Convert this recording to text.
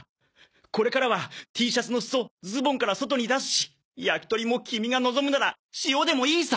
これからはＴシャツのすそズボンから外に出すし焼き鳥もキミが望むならシオでもいいさ。